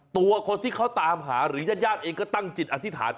ตัวคนที่เขาตามหาหรือญาติญาติเองก็ตั้งจิตอธิษฐาน